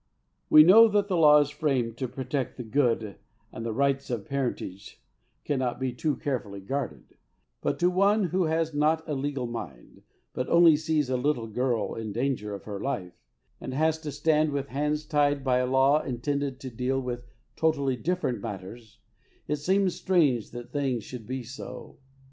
[F] We know that the law is framed to protect the good, and the rights of parentage cannot be too carefully guarded; but to one who has not a legal mind, but only sees a little girl in danger of her life, and has to stand with hands tied by a law intended to deal with totally different matters, it seems strange that things should be so.